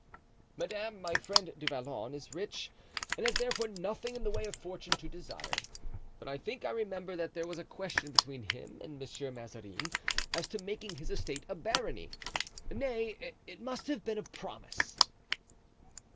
"Madame, my friend Du Vallon is rich and has therefore nothing in the way of fortune to desire; but I think I remember that there was a question between him and Monsieur Mazarin as to making his estate a barony. Nay, it must have been a promise."